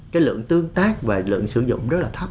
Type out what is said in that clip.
cái lượng tương tác và lượng sử dụng